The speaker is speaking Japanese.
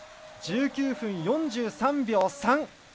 １９分４３秒３。